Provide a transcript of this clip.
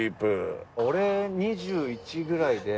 俺２１ぐらいで。